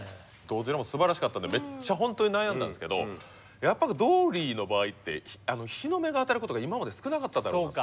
どちらもすばらしかったんでめっちゃ本当に悩んだんですけどやっぱりドーリーの場合って日の目が当たることが今まで少なかっただろうなと。